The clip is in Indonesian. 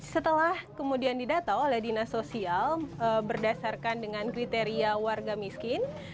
setelah kemudian didata oleh dinas sosial berdasarkan dengan kriteria warga miskin